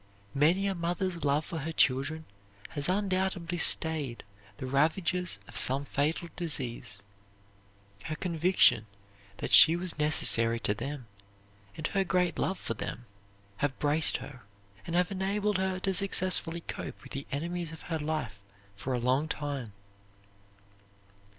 Many a mother's love for her children has undoubtedly stayed the ravages of some fatal disease. Her conviction that she was necessary to them and her great love for them have braced her, and have enabled her to successfully cope with the enemies of her life for a long time.